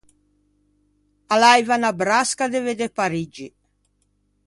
A l’aiva unna brasca de vedde Pariggi.